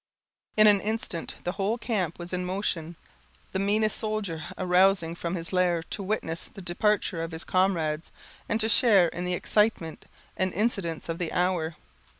In an instant the whole camp was in motion; the meanest soldier arousing from his lair to witness the departure of his comrades, and to share in the excitement and incidents of the hour.